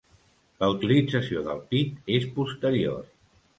La utilització del pit és posterior.